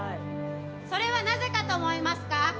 それはなぜだと思いますか？